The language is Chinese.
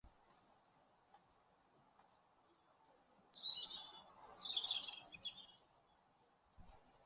新罗朝延因此分裂为亲唐派和反唐派。